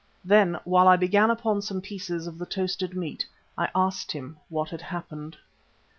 Then while I began upon some pieces of the toasted meat, I asked him what had happened.